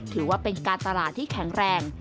ถือว่าเป็นการตลาดที่แข็งแรง